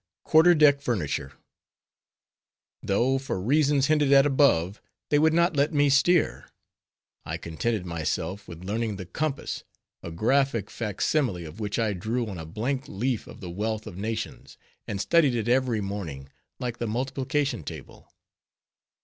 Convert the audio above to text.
QUARTER DECK FURNITURE Though, for reasons hinted at above, they would not let me steer, I contented myself with learning the compass, a graphic facsimile of which I drew on a blank leaf of the "Wealth of Nations," and studied it every morning, like the multiplication table.